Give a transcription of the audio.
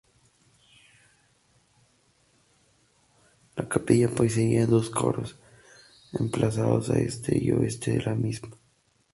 La capilla poseía dos coros, emplazados a este y a oeste de la misma.